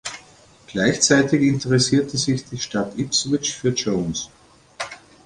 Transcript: Gleichzeitig interessierte sich die Stadt Ipswich für Jones.